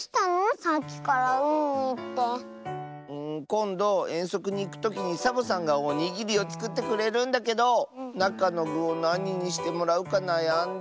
こんどえんそくにいくときにサボさんがおにぎりをつくってくれるんだけどなかのぐをなににしてもらうかなやんでて。